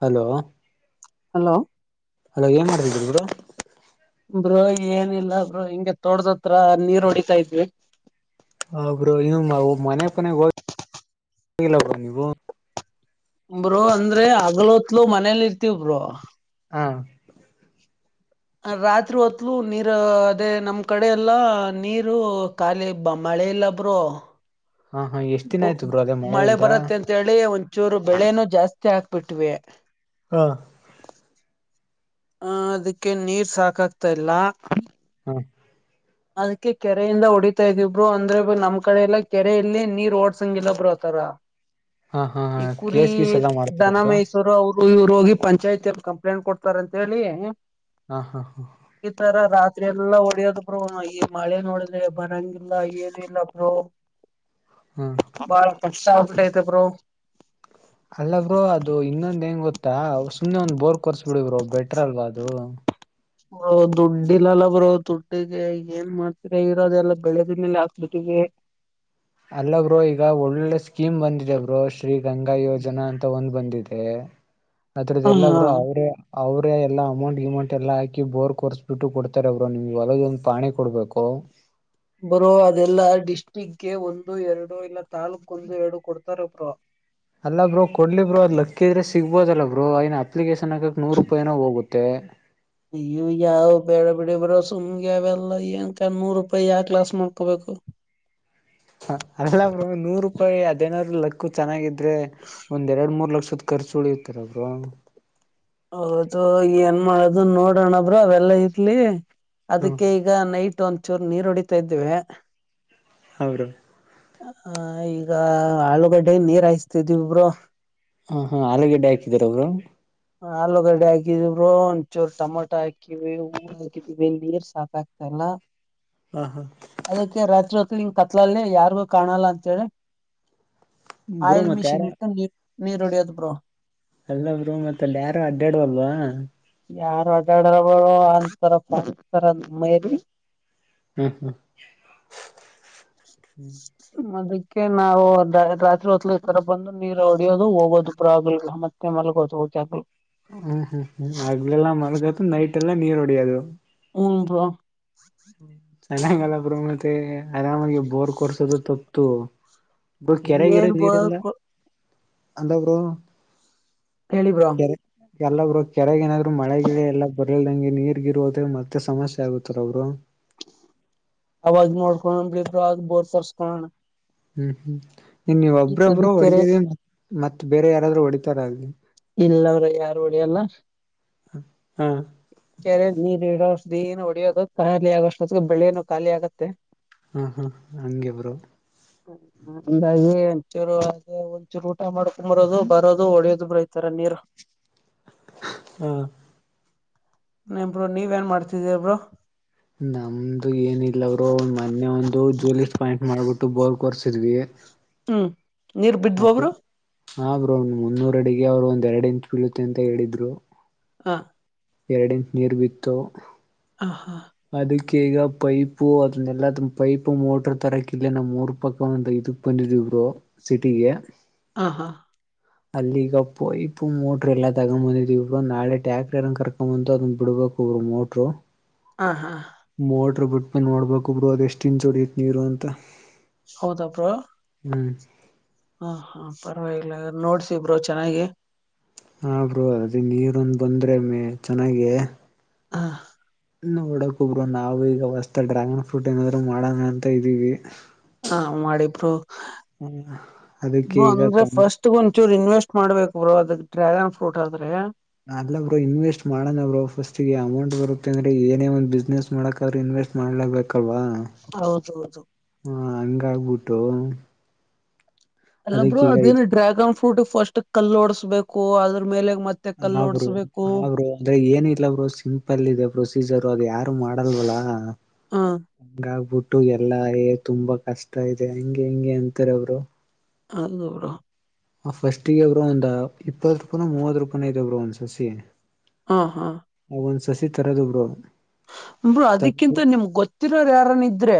hello hello hello ಏನ್ ಮಾಡಿದರು ಗರು ಬ್ರೋ ಏನಿಲ್ಲ ಬ್ರೋ ಹಿಂಗೆ ತೋಡ್ದ ಹತ್ರ ನೀರ್ ಹೊಡಿತಾ ಇದ್ವಿ ಹಬರು ಇ ಮನೆ ಪನೆಗೆ ಹೋಗ ನೀವು ಬರು ಅಂದ್ರೆ ಹಗಲ ಹೊತ್ಲು ಮನೇಲಿ ಇರ್ತವ ಬ್ರರು ಹ ರಾತ್ರಿ ಹೊತ್ಲು ನೀರ ಅದೇ ನಮ್ ಕಡೆ ಎಲ್ಲಾ ನೀರು ಖಾಲಿ ಬ ಮಾಡ ಹಳೆ ಇಲ್ಲ ಬ್ರೋ ಹಾ ಎಷ್ಟ್ ದಿನ ಆಯ್ತು ಬ್ರೋ ಅದೇ ಮಳೆ ಮಳೆಯಿಂದ ಬರುತ್ತೆ ಅಂತೇಳಿ ಒಂಚೂರು ಬೆಳೆನ ಜಾಸ್ತಿ ಹಾಕ್ಬಿಟ್ವಿ ಹಾ ಹ ಅದಕ್ಕೆ ನೀರ್ ಸಾಕಾಗ್ತಾ ಇಲ್ಲ ಹಾ ಅದಕ್ಕೆ ಕೆರೆಯಿಂದ ಹೊಡಿತಾ ಇದೀ ಬ್ರರು ಅಂದ್ರೆ ನಮ್ಮ ಕಡೆ ಎಲ್ಲ ಕೆರೆಯಲ್ಲಿ ನೀರ್ ಓಡ್ಸಂಗ ಇಲ್ಲ ಬ್ರರು ಅ ಹಾ ಹಾ ಈ ಕುರಿ ಕೇಸ್ ಗೀಸ್ ಎಲ್ಲಾ ಮಾಡ್ತಾರ ದನ ಬ್ರೋ ಮಹೇಶ್ವರ್ ಅವರು ಇವರು ಹೋಗಿ ಪಂಚಾಯತ್ ಎಲ್ಲಿ ಕಂಪ್ಲೇಂಟ್ ಕೊಡ್ತಾರ ಅಂತ ಹೇಳಿ ಹಾ ಹಾ ಹಾ ರ ಎಲ್ಲಾ ಹೊಡಿಯೋದ್ ಬೋ ಈ ಮಳೆ ನೋಡಿದೆ ಬರಂಗಿಲ್ಲ ಏನ ಇಲ್ಲ ಬ್ರೋ ಹ್ಮ ಪಸಲ ಇಐತೆ ಪ್ರೋ ಅಲ್ಲ ಬ್ರೋ ಅದು ಇನ್ನೊಂದ ಹೆಂಗ್ ಗೊತ್ತಾ ಸುಮ್ನೆ ಒಂದ್ ಬೋರ್ ಕೊಸಸ್ಬ ಬಿಡಿದ್ರು ಬೆಟ್ರ ಅಲ್ವಾ ಅದು ದುಡ್ಡಿ ಇಲ್ಲಲ್ಲ ಬ್ರೋ ದುಡ್ಡಿಗೆ ಏನ್ ಮಾತ್ ಇರೋದೆಲ್ಲ ಬೆಳೆದ ಮೇಲೆ ಹಾಕ್ಬಿಟ್ಟವಿ [inaudible] ಅಲ್ಲ ಬ್ರರು ಈಗ ಒಳ್ಳೊಳ್ಳೆ ಸ್ಕೀಮ್ ಬಂದಿದೆ ಬರು ಶ್ರೀ ಗಂಗಾ ಯೋಜನಾ ಅಂತ ಒಂದ್ ಬಂದಿದೆ [inaudible] ಅದ್ರದ್ದ ಎಲ್ಲಬ್ರು ಅವ್ರೇ ಅವ್ರೇ ಎಲ್ಲ ಅಮೌಂಟ್ ಗಮೌಂಟ್ ಎಲ್ಲ ಹಾಕಿ ಬೋರ್ ಕೊರ್ಸ್ಬಿಟ್ಟು ಕೊಡ್ತಾರೆ ಅವರು ನಿಮ್ಗೆ ಹೊಲದ ಒಂದು ಪಾಣಿ ಕೊಡ್ಬೇಕು ಹ ಬ್ರೋ ಅದೆಲ್ಲಾ ಡಿಸ್ಟ್ರಿಕ್ಗೆ ಒಂದು ಎರಡು ಇಲ್ಲ ತಾಲೂಕ್ ಒಂದು ಎರಡು ಕೊಡ್ತಾರ ಬ್ರೋ ಅಲ್ಲ ಬ್ರೋಡ್ಲಿ ಬ್ರರು ಅದ್ ಲಕ್ಕಿದ್ರ ಸಿಗ್ಬೋದಲ್ಲ ಬ್ರೋ ನ ಅಪ್ಲಿಕೇಶನ್ ಹಗಕಕ್ ನೂರು ರೂಪಾಯಿನೋ ಹೋಗುತ್ತೆ ಮತ್ತು ಅಯ್ಯ ಯಾವ್ ಬೇಡ ಬಿಡ ಬರ ಸುಮ್ಗೆ ಅವೆಲ್ಲ ನ್ಕ ನೂರು ರೂಪಾಯಿ ಯಾವ ಗ್ಲಾಸ್ ಮಾಡ್ಕೋಬೇಕು ಹ ಅಲ್ಲ ನೂರು ರೂಪಾಯಿ ಹದಿನನೂರ ಲಕ್ಕು ಚೆನ್ನಾಗಿದ್ರೆ ಒಂದ್ ಎರಡು ಮೂರ್ ಲಕ್ಷ ಸತ್ ರ್ಚುಳಿ ಇರ್ತಾರಬ್ ಹೌದು ಏನ್ ಮಾಡೋದು ನೋಡೋಣಬ್ರ ಅವೆಲ್ಲ ಇರ್ಲಿ ಹ್ಮ ಅದಕ್ಕೆ ಈಗ ನೈಟ್ ಒಂದ್ಚೂರು ನೀರು ಹೊಡಿತಾ ಇದ್ದೇವೆ ಹೌರು ಹ ಈಗ ಆಳೂಗಡ್ಡೆ ನೀರ್ ಹಾಯಿಸ್ತಿದಿವವಿಬ್ರು ಹ ಹಾ ಆಲೂಗಡ್ಡೆ ಹಾಕಿದಾರ ಅವರು ಆಲೂಗಡ್ಡೆ ಹಾಕಿದರು ಒಂದಚೂರು ಟಮೊಟೋ ಹಾಕಿವಿ ಊ ಹಾಕಿದಿವವಿ ನೀರ್ ಸಾಕಾಕವಿ ಎಲ್ಲಾ ಹಾ ಹಾ ಅದಕ್ಕೆ ರಾತ್ರಿ ನೀವು ಕತ್ಲಲ್ಲ್ಲಿ ಯಾರಿಗು ಕಾಣಲ್ಲ ಅಂತೇಳಿ ಬ್ರೋ ಆಯಿಲ್ ಮತ್ ಯಾರ ಮಿಷಿನ ಇಟ್ಟು ನೀರುಡೆಯದು ಬರೊ ಮಲ್ಲ ಯಾರು ಅಡ್ಡಾಡುವಲ್ವಾ ಯಾರ್ ಅಡಾಡ್ರ ಅನ್ತರತರ ಮೈರಿ ಹ್ಮ್ ಹ್ಮ್ [unintelligible] ಓಕೆ ನಾವು ರಾತ್ರಿ ಹೊತ್ಲು ತರ ಬಂದು ನೀರು ಹೊಡಿಯೋದು ಹೋಗೋದು ಪ್ರಾಬ್ಲಮ್ ಮತ್ತೆ ಮಲಗೋದು ಹೋಗ್ಯಾಗ ಹ್ಮ್ ಹ್ಮ್ ಹ್ಮ್ ಆಗ್ಲೆಲ್ಲಾ ಮಲಗತ ನೈಟ್ ಎಲ್ಲಾ ನೀರ್ ಹೊಡಿಯೋದು ಹ್ಮದು ಚೆನ್ನಂಗಲ್ಲರು ಮತ್ತೆ ಆರಾಮಗೆ ಬೋರ್ ಕೊರ್ಸದು ತಪ್ಪು ಇ ಕೆರೆಗೀರೆ ಏನ್ ಬ್ರೋ ನೀರಲ್ಲ ಅಂತಪರ ಹೇಳಿ ಬ್ರೋ ಎಲ್ಲಬ್ರು ಕೆರೆಗೆ ಏನಾದ್ರು ಮಳೆಗ ಎಲ್ಲ ಬರರ್ಲ್ದಂಗೆ ನೀರ್ಗಿರುದ್ರೆ ಮತ್ತೆ ಸಮಸ್ಯೆ ಆಗುತ್ತಾರ ಅವರು ಆವಾಜ ಮೋಡ್ಕ ಬ ಬೋರ್ ಪಸ್ಕಣ ಹ್ಮ್ ಹ್ಮ್ ನೀನ್ ನೀವ್ ಒಬ್ರೊಬ್ಬರು ಕೆರೆ ಹೊಡೆಯದ ಮತ್ತತ್ ಬೇರೆ ಯಾರಾದ್ರು ಹೊಡಿತಾರಗಿ ಇಲ್ಲ ಅವ್ರ ಯಾರು ಹೊಡಿ ಎಲ್ಲ ಹಾ ಕೆರೆ ನೀರ್ ಇಡೋಷ್ಟ್ದ ನು ಹೊಡಿಯೋದು ಖಾಲಿ ಆಗೋಷ್ಟತ್ ಬೆಳೆನು ಖಾಲಿ ಆಗತ್ತೆ ಹಾ ಹಾ ಹಂಗಗೆಬ್ರು ಹಂಗಾಗಿ ಒಂಚೂರು ಆದ ಒಂಚೂರು ಊಟ ಮಾಡ್ಕೊಂಬರೋದು ಬರೋದು ಹೊಡಿಯೋದು ಬತಾರ ನೀರು [inaudible] ಹಾ ಇಬರು ನೀವ ಏನ್ ಮಾಡ್ತಿದೀಬ್ರು ನಮ್ದು ಏನ ಇಿಲ್ಲ ಅವ್ರು ಒ ಮೊನ್ನೆ ಒಂದು ಜೂಲಿಸ ಪಾಯಿಂಟ್ ಮಾಡ್ಬಿಟ್ಟು ಬೋರ್ ಕೊರ್ಸಿದ್ವಿ ಹ್ಮ್ ನೀರ್ ಬಿದ್ವ ಒಬ್ರು ಹ ರೌಂಡ ಮುನ್ನೂರ ಅಡಿಗೆ ಅವ್ರು ಒಂದ್ ಎರಡ್ ಇಂಚ್ ಬೀಳುತ್ತೆ ಅಂತ ಹೇಳಿದ್ರು ಹಾ ಎರಡು ಇಂಚ್ ನೀರ್ ಬಿತ್ತು ಹಾ ಹಾ ಅಕ್ಕೆ ಈಗ ಪೈಪ್ು ಅದನ್ನೆಲ್ಲದ ಪೈಪ್ ಮೋಟ್ರ ತರಕ್ ಇಲ್ಲೇ ನಮ್ಮ್ ಮೂರ್ ಪಕ್ಕ ಒಂದ ಇದಕ್ ಬಂದಿದೀವಿ ಇಬ್ರು ಸಿಟಿಗೆ ಹ ಹಾ ಅಲ್ಲಿಗ ಪೈಪ್ ಮೋಟ್ರ ಎಲ್ಲ ತಗೊಂಡ್ ಬಂದಿದೀವ ನಾಳೆ ಟ್ಯಾಕ್ಟರ್ ಕರ್ಕೊಂಡೊ ಬ ಅದ ಬಿಡ್ಬ ಮೋಟ್ರೋ ಹ ಹ ಹ ಮೋಟ್ರ ಬಿಟ್ ನೋಡ್ಬೇಕಕ್ೊಬ್ರು ಅದ ಎಷ್ಟ ಇನ್ ಚಡತ್ ನೀರು ಅಂತ ಹೌದಾಪ ಹ್ಮ್ ಹ ಹಾ ಪರವಾಗಿಲ್ಲ ನೋಡ್ಸಿಬ್ರು ಚೆನ್ನಾಗಿ ಹ ಬ್ರರು ಅದೇ ನೀರಂದ ಬಂದ್ರೆ ಮೇ ಚೆನ್ನಾಗ ಹಾ ನೋಡಕ್ೊಬ್ರು ನಾವು ಈಗ ಹೊಸ್ತ ಡ್ರ್ಯಾಗನ್ ಫ್ರೂಟ್ ಏನಾದ್ರು ಮಾಡೋಣ ಅಂತ ಇದೀವಿ ಹಾ ಮಾಡಿಬರು ಹ್ಮ ಅದಕ್ಕೆ ಈಗ ಅಂದ್ರೆ ಕಂಬ ಫಸ್ಟ್ ಒಂಚೂರು ಇನ್ವೆ ಎಷ್ಟ್ ಮಾಡ್ಬೇಕು ಬ್ರೋ ಅದಕ್ ಡ್ರ್ಯಾಗನ್ ಫ್ರೂಟ್ ಆದ್ರೆ ನಲ್ಲಬ್ರು ಇನ್ವೆಸ್ಟ್ ಮಾಡೋಣಬ್ರು ಫಸ್ಟ್ ಅಮೌಂಟ್ ಬರುತ್ತೆ ಅ್ರೆ ಏನೇ ಒಂದ ಬಿಸ್ನೆಸ್ ಮಾಡಕ್ರು ಇನ್ವೆಟ್ ಷ್ಟ ಮಾಡ್ಲಬೇಕಲ್ವಾ ಹೌದೌದು ಹ ಹಂಗ ಆಗ್ಬಿಟ್ಟು ಎಲ್ಲಬ್್ರರು ಅದೇನು ಡ್ರ್ಯಾಗನ್ ಫ್ರೂಟ್ ಫಸ್ಟ್ ಕಲ್ಲೋಡ್ಸ್ಬೇಕು ಅದ್ರ ಮೇಲೆ ಮತ್ತೆ ಕಲ್ಲು ಹರು ಓಡಿಸ್ಬೇಕು ಆದರು ಅಂದ್ರೆ ಏನ ಇಲ್ಲಬ್ರು ಸಿಂಪಲ್ ಇದೆ ಪ್ರೊಸೀಜರು ಅದು ಯಾರ ಮಾಡಲ್ವಲ ಹ ಹಬ ಎಲ್ಲಾ ತುಂಬಾ ಕಷ್ಟ ಇದೆ ಹಂಗೆ ಹಿಂಗೆ ಅಂತಾರ ಅವರು ಅದ ನೂರಾ ಆ ಫಸ್ಟ್ಗ ಒಬ್ರು ಒಂದ್ ಇಪ್ಪತ್ ರೂಪಾಯ ಮೂವತ್ ರೂಪಾಯ್ ಇದಬ್ರು ಒಂದ್ ಸಸಿ ಹಾ ಹಾ ಒಂದ್ ಸಸಿ ತರೋದ ಬರುೋ ಅ್ರರು ಅದಕ್ಕಿಂತ ನಿಮ್ಗೆ ಗೊತ್ತಿರೋರ್ಯಾರನಿದ್ರೆ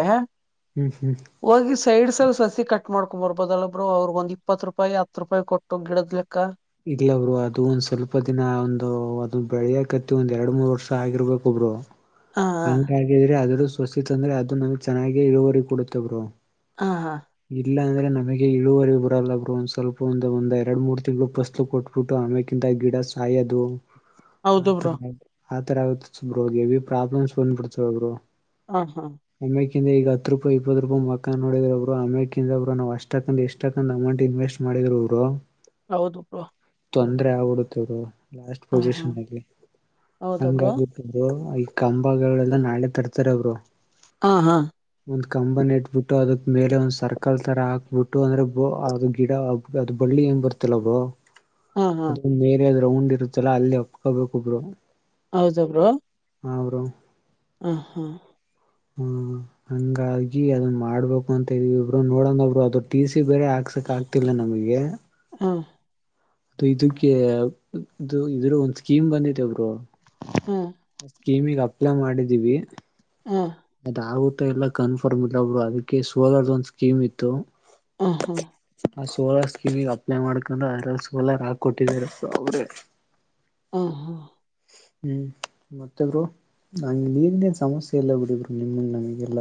ಹ್ಮ್ ಹ್ಮ್ ಹೋಗಿ ಸೈಡ್ ಸಲ್ ಸಸಿ ಕಟ್ ಮಾಡ್ಕೊ ಕುಮಾರ್ ಬದಲಬ್ರು ಅವ್ರಗ ಒಂದ್ ಇಪ್ಪತ್ತು ರೂಪಾಯಿ ಹತ್ ರೂಪಾಯಿ ಕೊಟ್ಟು ಗಿಡದ್ಲೆಕ್ಕ ಇಲಬ್ರು ಅದು ಒಂದ್ ಸ್ವಲ್ಪ ದಿನ ಒಂದು ಅದು ಬೆಳಿಯಕತಿ ಒಂದ್ ಎರಡ್ ಮೂರ್ ವರ್ಷ ಆಗಿರ್ಬೇಕ ಒಬ್ರು ಹಾ ಹಾ ಹಂಗಾಗಿದ್ರೆ ಅದ್ರ ಸವಸ್ತಿ ತ ಅಂದ್ರೆ ಅದು ನಮ್ಗ್ ಚೆನ್ನಾಗಿ ಇರುವವರಿಗೆ ಕೊಡುತ್ತವರು ಹಾ ಹಾ ಇಲ್ಲ ಅಂದ್ರೆ ನಮಗೆ ಇಳುವರಿ ಬರಲ್ಲರು ಒಂದ್ ಸ್ವಲ್ಪ ಒಂದು ಒಂದಂದು ಎರಡು ಮೂರು ತಿಂಗಳು ಫಸ್ತ್ ಕೊಟ್ಬಿಟ್ಟು ಆಮಗಿಂತ ಗಿಡ ಸಾಯೋದು ಹೌದು ಆತರ ಬ್ರೋ ಆಯತ ಆತರ ಆಗತಬ್ರ ಎವಿ ಪ್ರಾಬ್ಲಮ್ಸ್ ಬಂದ್ಬಿಡ್ತ ಒಬ್ರು ಹ ಹಾ ್ರ ಈಗ ಹತ್ತು ರೂಪಾಯಿ ಇಪ್ಪತ್ತು ರೂಪಾಯಿ ಮಕ ನೋಡಿದ್ರರು ಅಮಕ್ರು ಅಷ್ಟ ಎಷ್ಟ ಅಮೌಂಟ್ ಇನ್ವೆಸ್ಟ್ ಮಾಡಿ ಅಡೆರು ಹೌದು ಪ್ರೋ ತೊಂದ್ರೆ ಆಗ್ಬಿಡತವ್ರು ಲಾಸ್ಟ್ ಹಾ ಪೊಸಿಷನ್ಲ್ಲಿ ಹೌದ ಬ್ರೋ ಹಾಗಿ ಕ ೆ ನಾಳೆ ತರ್ತಾರೆ ಬ್ರೋ ಹಾ ಹಾ ಒಂದ್ ಕಂಬನ ಇಟ್ಬಿಟ್ಟು ಅದಕ್ ಮೇಲೆ ಒಂದ್ ಸರ್ಕಲ್ ತರ ಹಾಕ್ಬಿಟ್ಟು ಅಂದ್ರೆ ಅದು ಗಿಡ ಅದು ಬಳ್ಳಿ ಹೆಂಗ ಬರ್ತಿಲ್ಲಬೋ ಹಾ ಹಾ ಅದು ಮೇರೆ ಉಂಡ್ ಇರುತ್ತಲ್ಲ ಅಲ್ಲಿ ಒಪ್ಕೋಬೇಕುೊಬ್ರು ಹೌದು ಬ್ರೋ ಹಾ ಬ್ರೋ ಹ ಹಾ ಹ್ಮ ಹಂಗಾಗಿ ಅದನ್ ಮಾಡ್ಬೇಕು ಅಂತ ಹೇಳವಿ ಒಬ್ರು ನೋಡಂಗ ಒಬ್ರು ಅದಟ ಬೇರೆ ಹಾಕ್ಸಕ್ ಆಗ್ತಿಲ್ಲ ನಮಗೆ ಹ ಅದು ಇದಕ್ಕೆ ಇದು ಇದ್ರ ಒಂದ್ ಸ್ಕೀಮ್ ಬಂದಿದೆ ಬ್ರೋ ಹ್ಮ್ ಸ್ಕೀಮಿಗೆ ಅಪ್ಲೈ ಮಾಡಿದೀವಿ ಹ ಅದ ಆಗುತ್ತಾ ಎಲ್ಲ ಕನ್ಫರ್ಮ್ ಇಲ್ಲ ಒಬ್ರು ಅದಕ್ಕೆ ಸೋರ್ದ ಒಂದು ಸ್ಕೀಮ್ ಇತ್ತು ಹ ಹಾ ಆ ಸೋಲಾರ್ ಸ್ಕೀಮಿಗೆ ಅಪ್ಲೈ ಮಾಡ್ಕೊಂಡ್ರೆ ಅ್ರ ಸೋಲಾರ್ ಹಾಕ ಕೊಟ್ಟಿದಾರಪ್ಪ ಅವ್ರೆ ಹಾ ಹಾ ಹ್ಮ್ ಮತ್ತೆಬ್ರು ನಲ್ಲಿ ಏನ್ೇನ್ ಸಮಸ್ಯೆ ಇಲ್ಲ ಬಿಡಿಬರು ಹ್ಮ ನಮಗಿಲ್ಲ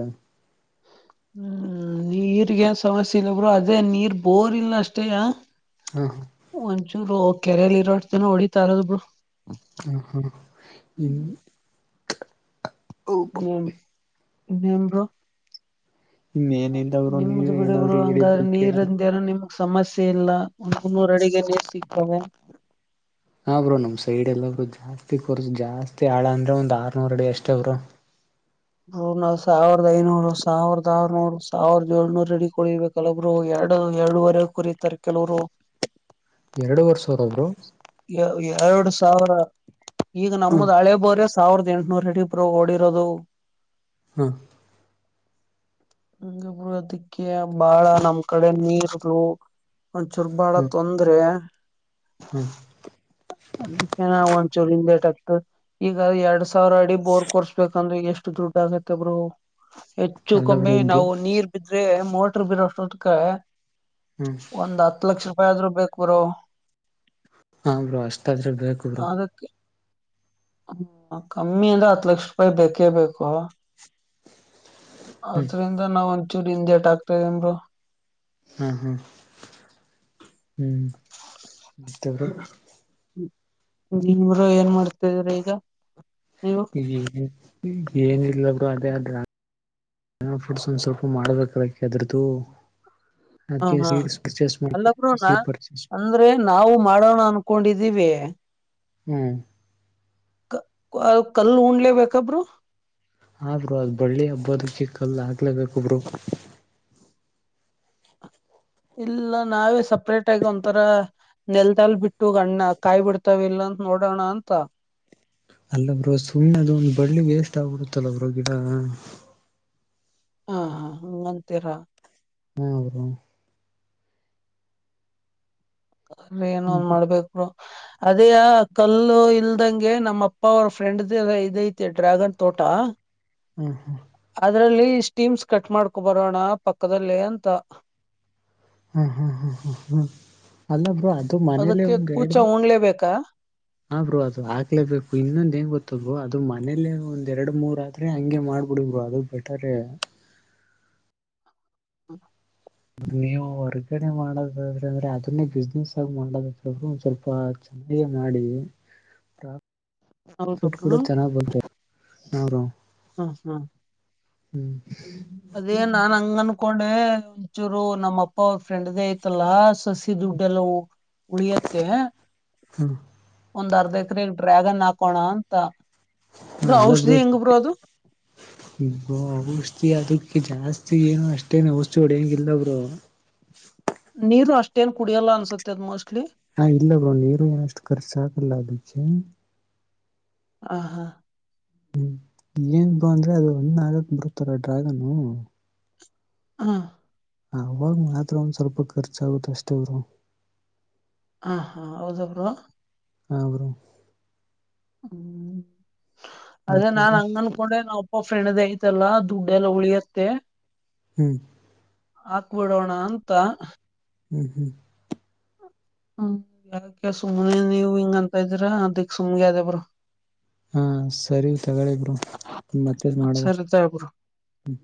ಹ್ಮ್ ನೀರ್ಗ ಏನ್ ಸಮಸ್ಯೆ ಇಲ್ಲಬ್್ರರು ಅದೇ ನೀರ್ ಬೋರ್ ಇಲ್ಲ ಅಷ್ಟೇ ಹಾ ಒಂಚೂರು ಕೆರೆಯಲ್ಲಿ ಇರೋರ್ತನ ಹೊಡಿತಾರದರು ಹ ಹಾ ಹ ಎನ್ ಹುಂ ಬ್ರೋ ಇನ್ನೇನಿಲ್ಲ ಬ್ರೋ ನಿಮ್ದ ನೀವೇ ಬಿಡ ಬಿರು ಏನಾದ್ರು ಹಂಗ ಹೇಳಿದ್ರೆ ಕೇಳಣ ನೀರ್ಂದ ಏನ ನಿಮ ಸಮಸ್ಯೆ ಇಲ್ಲ ಒಂದುೂರು ಅಡಗೆಲ್ಲಿ ಸಿಗ್ತವೆ ಹರು ನಮ್ ಸೈಡ್ ಎಲ್ಲಬ್ರು ಜಾಸ್ತಿ ಕೊರ್ಸು ಜಾಸ್ತಿ ಆಳ ಅಂದ್ರೆ ಒಂದ್ ಆರ್ನೂರ್ ಅಡಿ ಅಷ್ಟ ಅವರು [inaudible] ಬ ನಾವ್ ಸಾವಿರದ ಐನೂರು ಸಾವಿರದ ಆರ್ನೂರು ಸಾವಿರದ ಏಳ್ನೂರ್ ರೆಡಿ ಕೊಡಿಿರ್ಬೇಕಲ್ಲ ಬ್ರರುೋಗ ಯ ಎರಡು ಎಏಳೂುವರೆ ಕುರತಾರೆ ಕೆಲವರು ಎರಡು ವರ್ಷವರ ಸಾವ್ರ ಬ್ರೋ ಎರಡು ಸಾವಿರ ಈಗ ಹ ನಮ್ದ ಹಳೆ ಬೋರ ಸಾವಿರದ ಎಂಟನೂರಡಿಪರು ಓಡಿರೋದು ಹ್ಮ ಹಬರ ಅದಕ್ಕೆ ಬಾಳ ನಮ್ ಕಡೆ ನೀರ್ ಒಂದ ಚುರ್ಬಾಳ ಹ ತೊಂದ್ರೆ ಹ ಅದ ಒ ಚೂರಿಂದ ಟ್ ಆಕ್ತ ಈಗ ಎರಡ್ ಸಾವಿರ ಅಡಿ ಬೋರ್ ಕೊರ್ಸ್ಬೇಕಂದ್ರೆ ಎಷ್ಟು ಎಷ್ಟ ದುಡ್ಡಆಗುತ್ತೆ ಬ್ರೋ ಅಲ್ಲ ಮ್ಮಿ ಬ್ರೋ ಬು ನಾವು ನೀರ್ ಬಿದ್ರೆ ಮೋಟರ್ ಬಿರೋಕ್ಕೆ ಹ್ಮ್ ಒಂದ್ ಹತ್ತು ಲಕ್ಷ ರೂಪಾಯ ಬಾದ್ರು ಬೇಕು ಬ್ರೋ ಹಾ ಬ್ರೋ ಅಷ್ಟಾದ್ರ ಬೇಕು ಬ್ರೋ ಹ್ಮ ಕಮ್ಮಿ ಅಂದ್ರೆ ಹತ್ ಲಕ್ಷ ರೂಪಾಯಿ ಬೇಕೇ ಬೇಕು ಅದ್ರಿಂದ ನಾವ ಒಂಚೂರಿ ಇಿಂದಟ್ ಆಗ್ತದಮರು ಹ್ಮ ಹ್ಮ ಹ್ಮ್ ಬ ಇವರು ಏನ್ ಮಾಡ್ತಿದ್ರ ಈಗ ನೀವು ಏನ ಇಲ್ಲರು ಅದೇ ಆದ್ರ ಜನಲ್ ಫುಡ್ಸ್ ಒಂದ ಸ್ವಲ್ಪ ಮಾಡಬೇಕಾದಕ್ಕೆೆ ಅದರದ್ದು ಹ ಹಾ ಅಲ್ಲ ಬ್ರೋ ನ ಸೀಡ್ ಪರ್ಚೇಸ್ ಅಂದ್ರೆ ನಾವು ಮಾಡೋಣ ಅನ್ಕೊಂಡಿದೀವಿ ಹ ಹ್ಮ್ ಕಲ್ಲು ಉಣ್ಲೇಬೇಕೇಕಬ್ರು ಆದ್ರರು ಅದ ಬಳ್ಳಿ ಹಬ್ಬದಕ್ಕೆ ಕಾಲ್ ಆಗ್ಲೇಬೇಕಬ್ರು ಇಲ್ಲ ನಾವೇ ಸಪ್ರೇಟ್ ಆಗಿ ಒಂಂತರ ನೆಲ್ದಾಲ್ ಬಿಟ್ಟ ಅಣ್ಣ ಕಾಯ್ ಬಿಡ್ತಾವ ಇಲ್ಲ ಅಂತ ನೋಡೋಣ ಅಂತ ಅಲ್ಲ ಬ್ರೋ ಸುಮ್ನೆದು ಒಂದ್ ಬಳ್ಳಿ ವೇಸ್ಟ್ ಆಗ್ಬಡತ್ತಲ್ಲ ಬ್ರೋ ಗಿಡ ಹಾ ಹಂತೀರ ಹ್ಮ ಅ ಅ್ರ ಏನ ಒಂದ್ ಮಾಡ್ಬೇಕರು ಅದೇ ಕಲ್ಲು ಇಲ್ದಂಗೆ ನಮ್ಮ ಅಪ್ಪ ಅವ್ರ ಫ್ರೆಂಡ್ ಇದೈತೆ ಡ್ರ್ಯಾಗನ್ ತೋಟ ಹ್ಮ ಹಾ ಅದರಲ್ಲಿ ಸ್ಟೀಮ್ಸ್ ಕಟ್ ಮಾಡ್ಕೊ ಬರೋಣ ಪಕ್ಕದಲ್ಲಿ ಅಂತ ಹಾ ಹಾ ಹಾ ಹಾ ಹಾ ಅಲ್ಲೊಬ್ ಅದು ಮನೇಲ್ಲ ಅದಕ್ಕೆ ಒಂದ್ ಎರಡ ಕೂಚ ಉಣ್ಲೇಬೇಕಾ ಹಾ ಬ್ರರು ಅದು ಹಾಕ್ಲೇಬೇಕು ಇನ್ನೊಂದ ಹೆಂಗ ಗೊತ್ತದ್ ಅದು ಮನೇಲೆೇ ಒಂದ್ ಎರಡ್ ಮೂರ್ತ್ರಿ ಹಂಗೆ ಮಾಡ್ಬಿಡ ಅದು ಬೆಟರ್ ಹ ನೀವು ಹೊರ್ಗಡೆ ಮಾಡದಾದ್ರೆ ಅಂದ್ರೆ ಅದನ್ನೇ ಬಿಸ್ನೆಸ್ ಆಗ ಮಾಡದರು ಒಂದ್ ಸ್ವಲ್ಪ ಅಗೆ ಮಾಡಿ ಪ್ರಾ ಕೂಡ ಹೌದಬ್ರು ಚೆನ್ನಾಗ್ ಬಂದ ನಾವ್ರ ಹ್ಮ್ ಹ್ಮ್ ಹ್ಮ್ ಅದೇ ನಾನ್ ಹಂಗ ಅನ್ಕೊಂಡ ನೋ ಇಂಚೂರು ನಮ್ಮಪ್ಪ ಅವ್ರ ಫ್ರೆಂಡ್ ಐತಲ್ಲಾ ಸಸಿ ದುಡ್ಡೆಲ್ಲ ಉಳಿಯತ್ತೆ ಹ್ಮ್ ಒಂದ್ ಅರ್ಧ ಎಕರೆಗ್ ಡ್ರ್ಯಾಗನ್ ಹಾಕೋಣ ಅಂತ ಹಾ ಬ್ರೋ ಔಷಧಿ ಹೆಂಗ್ ಬ್ರೋ ಅದು ಎಲ್ಲಡ್ಔಷಿ ಅದು ಜಾಸ್ತಿ ಏನು ಅಷ್ಟೇನು ವಸ್ತುಗಳು ಹೆಂಗಿಲ್ಲಬ್ರು ನೀರು ಅಷ್ಟೇನ್ ಕುಡಿಯೋಲ್ಲ ಅನ್ಸತ್ತೆ ಅದ ಮೋಸ್ಟ್ಲಿ ಹಾ ಇಲ್ಲ ಬ್ರೋ ನೀರು ಏನಷ್ಟು ಖರ್ಚ ಆಗಲ್ಲ ಅದಕ್ಕೆ ಹ ಹಾ ಹ್ಮ್ ಏನ್ ಬ ಅಂದ್ರೆ ಅದು ಒಣನ್ ಆಗಕ್ ಬಿರುತ್ತಾರ ಡ್ರ್ಯಾಗನು ಹಾ ಅವಾಗ ಮಾತ್ರ ಒಂದ್ ಸ್ವಲ್ಪ ಖರ್ಚಾಗುತ್ತೆ ಅಷ್ಟವರು ಹಾ ಹಾ ಹೌದಬ್ರು ಹಾ ಬರೋ ಹ್ಮ್ ಅದೇ ಮತ್ತೆ ನಾನ್ ಬ್ರೋ ಹಂಗನ್ಕೊಂಡೆ ನಾ ಫ್ರೆಂಡದ ಐತಲ್ಲ ದುಡ್ಡೆ ಎಲ್ಲ ಉಳಿಯತ್ತೆ ಹ್ಮ್ ಹಾಕ್ಬಿಡೋಣ ಅಂತ ಹ್ಮ್ ಹ್ಮ್ ಹ್ಮ್ ಯಾಕ ಸುಮ್ನೆ ನೀವ್ ಹಿಂಗ ಅಂತ ಇದ್ದೀರಾ ಅದಿಕ್ ಸುಮ್ಗೆ ಅದೇ ಬ್ರ ಹಾ ಸರಿ ತಗಗಳಬರು ಮತ್ತದ ಮಾಡುವ ಸರಿ ತಗೋ ಬ್ರೋ ಹ್ಮ